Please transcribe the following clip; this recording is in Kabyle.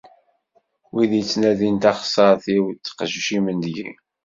Wid yettnadin taxessart-iw, ttqejjimen deg-i.